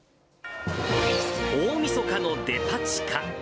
大みそかのデパ地下。